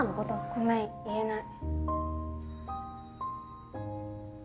ごめん言えない。